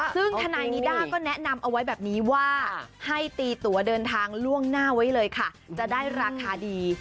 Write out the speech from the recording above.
ซึ่งทนายนิด้าก็แนะนำเอาไว้แบบนี้ว่าให้ตีตัวเดินทางล่วงหน้าไว้เลยค่ะจะได้ราคาดี